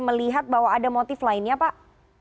melihat bahwa ada motif lainnya pak